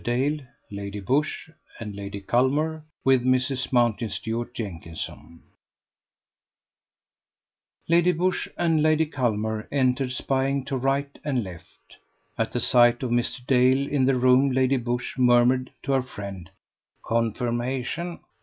DALE: LADY BUSSHE AND LADY CULMER: WITH MRS. MOUNTSTUART JENKINSON Lady Busshe and Lady Culmer entered spying to right and left. At the sight of Mr. Dale in the room Lady Busshe murmured to her friend: "Confirmation!"